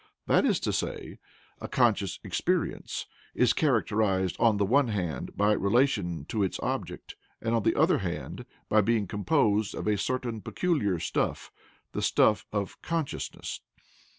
That is to say, a "conscious experience" is characterized on the one hand by relation to its object and on the other hand by being composed of a certain peculiar stuff, the stuff of "consciousness."